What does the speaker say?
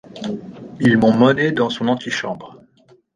Ils m’ont mené dans son antichambre.